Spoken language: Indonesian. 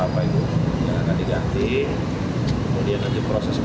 oh itunya rusak